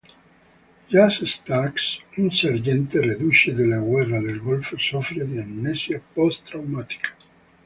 Jack Starks, un sergente reduce della guerra del Golfo, soffre di amnesia post-traumatica.